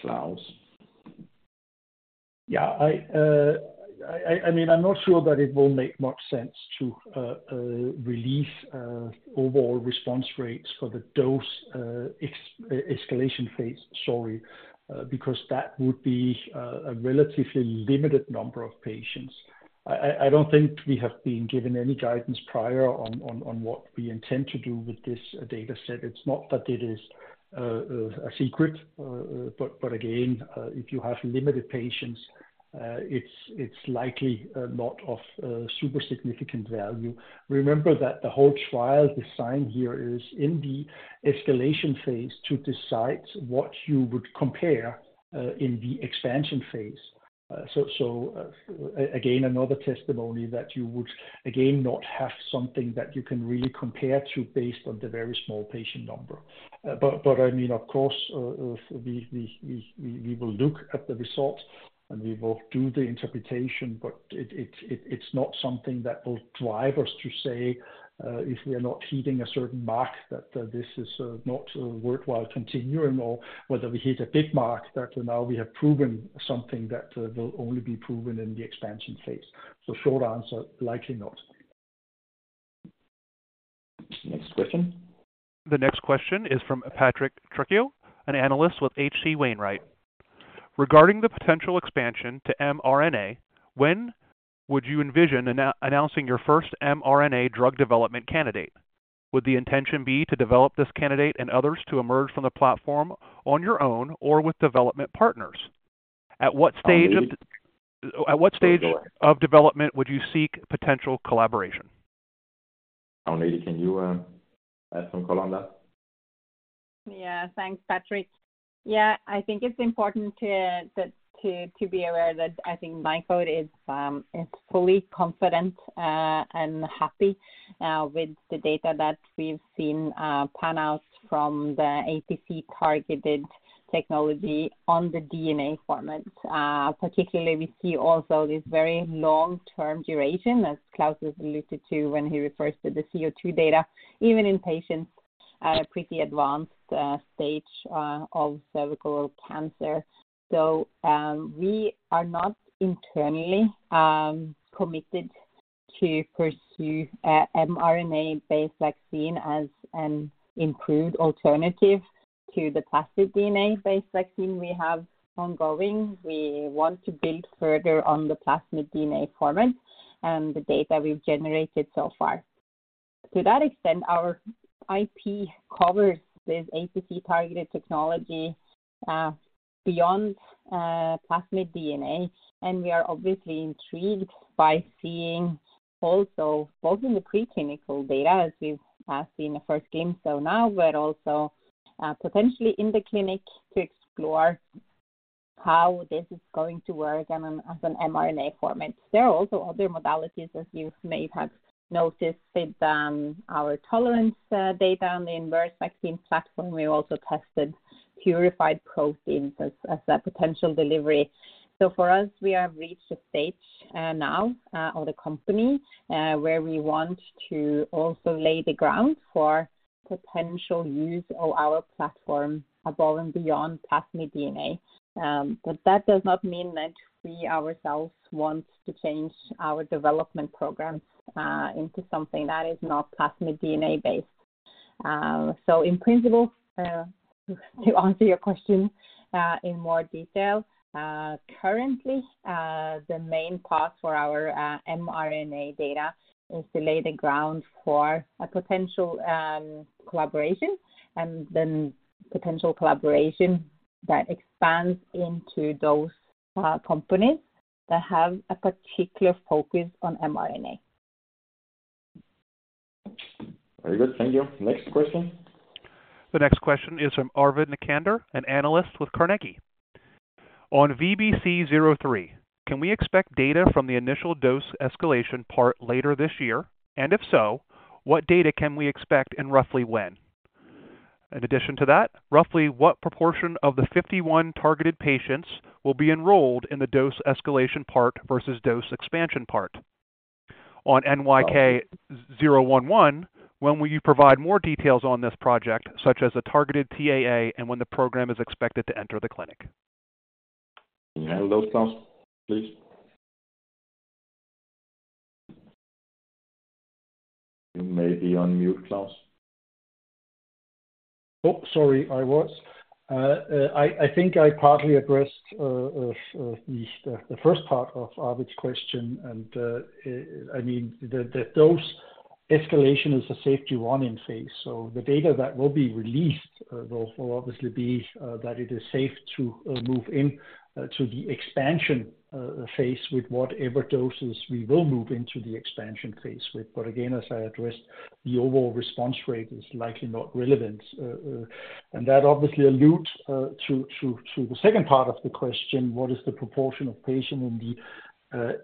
Klaus. Yeah, I mean, I'm not sure that it will make much sense to release overall response rates for the dose escalation phase, sorry, because that would be a relatively limited number of patients. I don't think we have been given any guidance prior on what we intend to do with this dataset. It's not that it is a secret. But again, if you have limited patients, it's likely not of super significant value. Remember that the whole trial design here is in the escalation phase to decide what you would compare in the expansion phase. So again, another testimony that you would again not have something that you can really compare to based on the very small patient number. But I mean, of course, we will look at the results, and we will do the interpretation. But it's not something that will drive us to say if we are not hitting a certain mark that this is not worthwhile continuing or whether we hit a big mark that now we have proven something that will only be proven in the expansion phase. So short answer, likely not. Next question. The next question is from Patrick Trucco, an analyst with HC Wainwright. Regarding the potential expansion to mRNA, when would you envision announcing your first mRNA drug development candidate? Would the intention be to develop this candidate and others to emerge from the platform on your own or with development partners? At what stage of development would you seek potential collaboration? Agnete, can you add some color on that? Yeah, thanks, Patrick. Yeah, I think it's important to be aware that I think Nykode is fully confident and happy with the data that we've seen pan out from the APC-targeted technology on the DNA format. Particularly, we see also this very long-term duration, as Klaus has alluded to when he refers to the VB-C-02 data, even in patients at a pretty advanced stage of cervical cancer. So we are not internally committed to pursue mRNA-based vaccine as an improved alternative to the plasmid DNA-based vaccine we have ongoing. We want to build further on the plasmid DNA format and the data we've generated so far. To that extent, our IP covers this APC-targeted technology beyond plasmid DNA. And we are obviously intrigued by seeing also both in the preclinical data, as we've seen a first glimpse of now, but also potentially in the clinic to explore how this is going to work as an mRNA format. There are also other modalities, as you may have noticed with our tolerance data on the inverse vaccine platform. We also tested purified proteins as a potential delivery. So for us, we have reached a stage now, or the company, where we want to also lay the ground for potential use of our platform above and beyond plasmid DNA. But that does not mean that we ourselves want to change our development programs into something that is not plasmid DNA-based. So in principle, to answer your question in more detail, currently, the main path for our mRNA data is to lay the ground for a potential collaboration, and then potential collaboration that expands into those companies that have a particular focus on mRNA. Very good. Thank you. Next question. The next question is from Arvid Necander, an analyst with Carnegie. On VB-C-03, can we expect data from the initial dose escalation part later this year? And if so, what data can we expect and roughly when? In addition to that, roughly what proportion of the 51 targeted patients will be enrolled in the dose escalation part versus dose expansion part? On NYK 011, when will you provide more details on this project, such as a targeted TAA, and when the program is expected to enter the clinic? Can you handle those, Klaus, please? You may be on mute, Klaus. Oh, sorry, I was. I think I partly addressed the first part of Arvid's question. And I mean, the dose escalation is a safety warning phase. So the data that will be released will obviously be that it is safe to move into the expansion phase with whatever doses we will move into the expansion phase with. But again, as I addressed, the overall response rate is likely not relevant. And that obviously alludes to the second part of the question, what is the proportion of patient in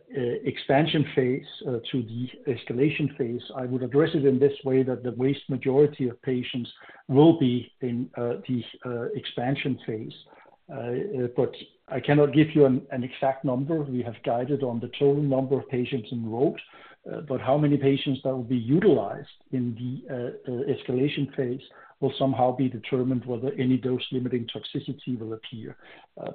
the expansion phase to the escalation phase? I would address it in this way that the vast majority of patients will be in the expansion phase. But I cannot give you an exact number. We have guided on the total number of patients enrolled. But how many patients that will be utilized in the escalation phase will somehow be determined whether any dose-limiting toxicity will appear.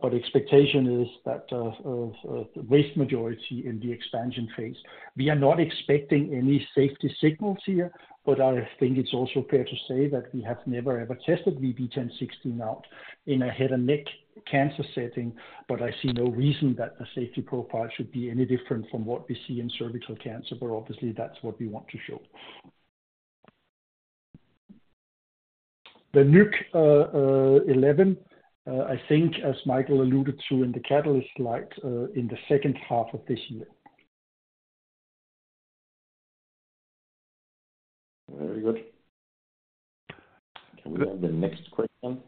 But expectation is that the vast majority in the expansion phase. We are not expecting any safety signals here. But I think it's also fair to say that we have never, ever tested VB10.16 out in a head-and-neck cancer setting. But I see no reason that the safety profile should be any different from what we see in cervical cancer. But obviously, that's what we want to show. The NYK 011, I think, as Michael alluded to in the catalyst slide, in the second half of this year. Very good. Can we have the next question?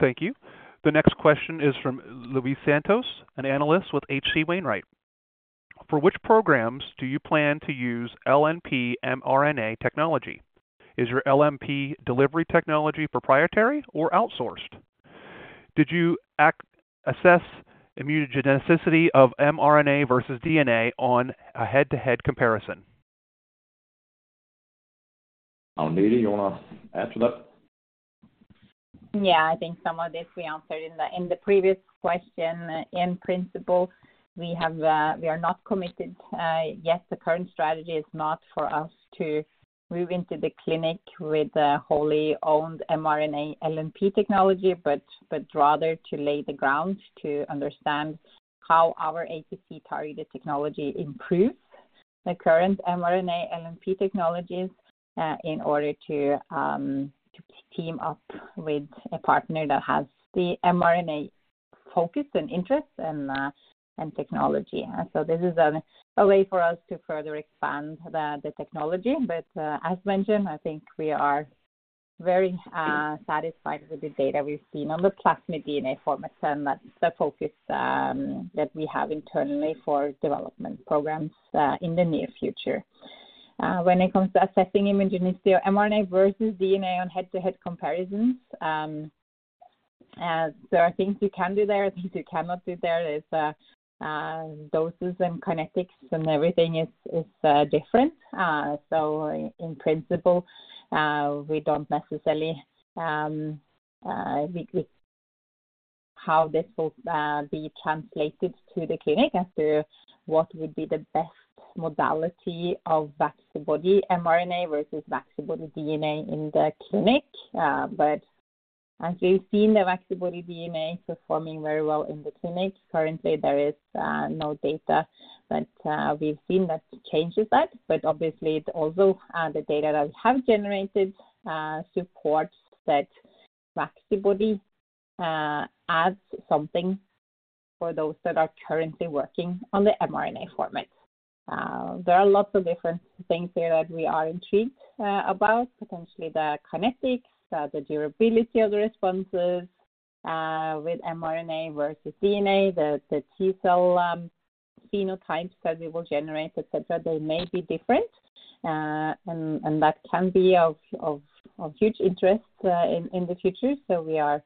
Thank you. The next question is from Luis Santos, an analyst with HC Wainwright. For which programs do you plan to use LNP mRNA technology? Is your LNP delivery technology proprietary or outsourced? Did you assess immunogenicity of mRNA versus DNA on a head-to-head comparison? Agnete, you want to add to that? Yeah, I think some of this we answered in the previous question. In principle, we are not committed yet. The current strategy is not for us to move into the clinic with wholly owned mRNA LNP technology, but rather to lay the ground to understand how our APC-targeted technology improves the current mRNA LNP technologies in order to team up with a partner that has the mRNA focus and interest in technology. So this is a way for us to further expand the technology. But as mentioned, I think we are very satisfied with the data we've seen on the plasmid DNA formats and the focus that we have internally for development programs in the near future. When it comes to assessing immunogenicity of mRNA versus DNA on head-to-head comparisons, there are things you can do there, things you cannot do there. Doses and kinetics and everything is different. So in principle, we don't necessarily how this will be translated to the clinic as to what would be the best modality of Vaccibody mRNA versus Vaccibody DNA in the clinic. But as we've seen the Vaccibody DNA performing very well in the clinic, currently, there is no data that we've seen that changes that. But obviously, also the data that we have generated supports that Vaccibody adds something for those that are currently working on the mRNA format. There are lots of different things here that we are intrigued about, potentially the kinetics, the durability of the responses with mRNA versus DNA, the T-cell phenotypes that we will generate, etc. They may be different. And that can be of huge interest in the future. So we are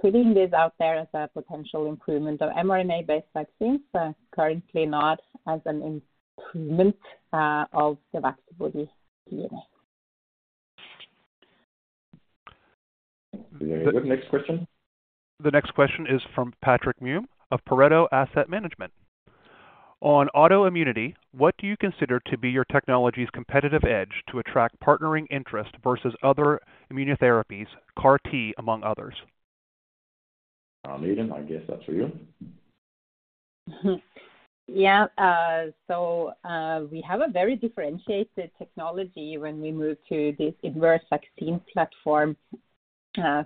putting this out there as a potential improvement of mRNA-based vaccines, currently not as an improvement of the Vaccibody DNA. Very good. Next question. The next question is from Patrick Mume of Pareto Asset Management. On autoimmunity, what do you consider to be your technology's competitive edge to attract partnering interest versus other immunotherapies, CAR-T, among others? Agnete, I guess that's for you. Yeah. So we have a very differentiated technology when we move to this inverse vaccine platform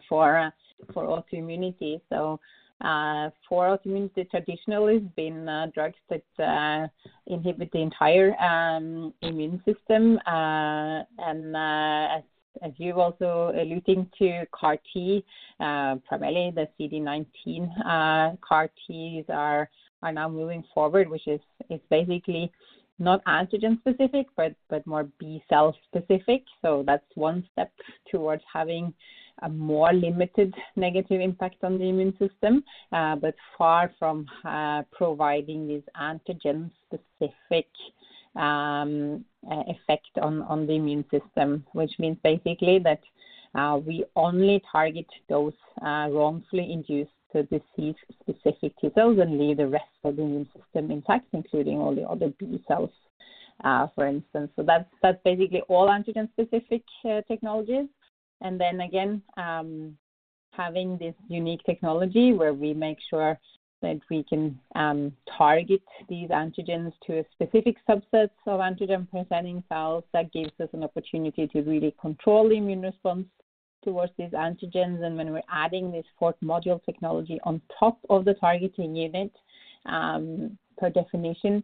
for autoimmunity. So for autoimmunity, traditionally, it's been drugs that inhibit the entire immune system. And as you're also alluding to CAR-T, primarily the CD19 CAR-Ts are now moving forward, which is basically not antigen-specific but more B-cell specific. So that's one step towards having a more limited negative impact on the immune system, but far from providing this antigen-specific effect on the immune system, which means basically that we only target those wrongfully induced disease-specific T-cells and leave the rest of the immune system intact, including all the other B-cells, for instance. So that's basically all antigen-specific technologies. And then again, having this unique technology where we make sure that we can target these antigens to specific subsets of antigen-presenting cells, that gives us an opportunity to really control the immune response towards these antigens. And when we're adding this fourth-module technology on top of the targeting unit, per definition,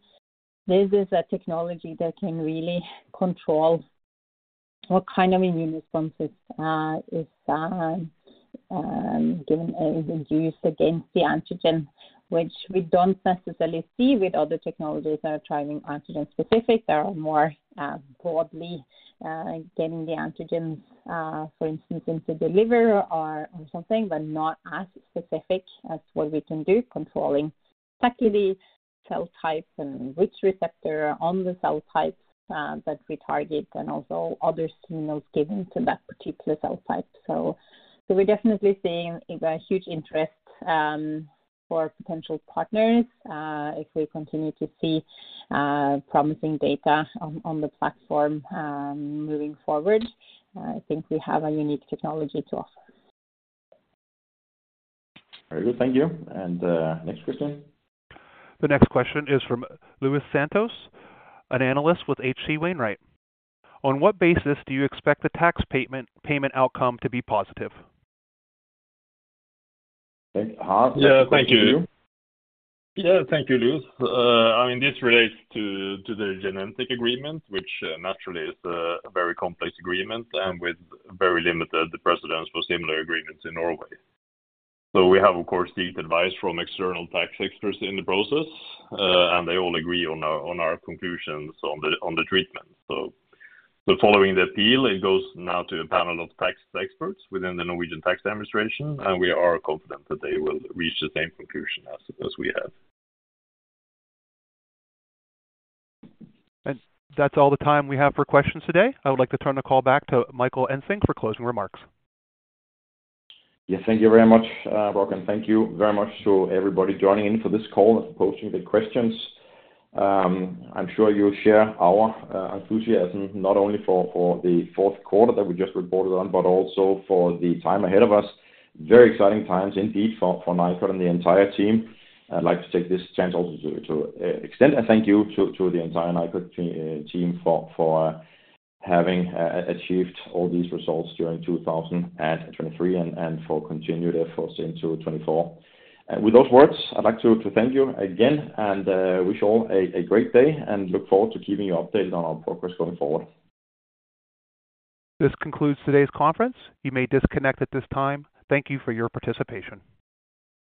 this is a technology that can really control what kind of immune response is given or induced against the antigen, which we don't necessarily see with other technologies that are driving antigen-specific. They are more broadly getting the antigens, for instance, into the liver or something, but not as specific as what we can do controlling exactly the cell type and which receptor on the cell type that we target and also other signals given to that particular cell type. So we're definitely seeing a huge interest for potential partners. If we continue to see promising data on the platform moving forward, I think we have a unique technology to offer. Very good. Thank you. And next question. The next question is from Luis Santos, an analyst with HC Wainwright. On what basis do you expect the tax payment outcome to be positive? Yeah, thank you. Yeah, thank you, Luis. I mean, this relates to the Genentech agreement, which naturally is a very complex agreement and with very limited precedence for similar agreements in Norway. So we have, of course, sought advice from external tax experts in the process, and they all agree on our conclusions on the treatment. So following the appeal, it goes now to a panel of tax experts within the Norwegian Tax Administration, and we are confident that they will reach the same conclusion as we have. And that's all the time we have for questions today. I would like to turn the call back to Michael Engsig for closing remarks. 'Yes, thank you very much, Brooklyn. Thank you very much to everybody joining in for this call and posing the questions. I'm sure you'll share our enthusiasm, not only for the fourth quarter that we just reported on, but also for the time ahead of us. Very exciting times, indeed, for Nykode and the entire team. I'd like to take this chance also to extend a thank you to the entire Nykode team for having achieved all these results during 2023 and for continuing their force into 2024. With those words, I'd like to thank you again and wish you all a great day and look forward to keeping you updated on our progress going forward. This concludes today's conference. You may disconnect at this time. Thank you for your participation.